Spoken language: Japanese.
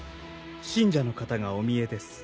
信者の方がおみえです。